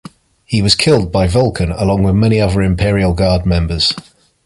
He was killed by Vulcan along with many other Imperial Guard members.